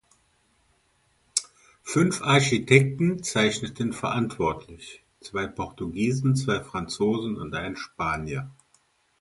Fünf Architekten zeichneten verantwortlich zwei Portugiesen, zwei Franzosen und ein Spanier.